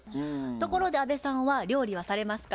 ところで安部さんは料理はされますか？